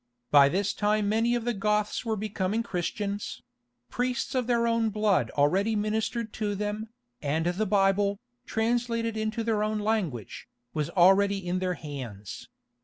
By this time many of the Goths were becoming Christians: priests of their own blood already ministered to them, and the Bible, translated into their own language, was already in their hands.